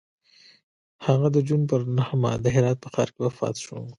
هغه د جون پر نهمه د هرات په ښار کې وفات شو.